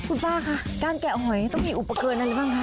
คุณป้าคะการแกะหอยต้องมีอุปเกินนั้นหรือเปล่าคะ